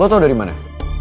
lo tau dari mana